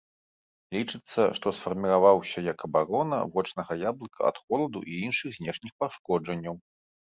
Лічыцца, што сфарміраваўся як абарона вочнага яблыка ад холаду і іншых знешніх пашкоджанняў.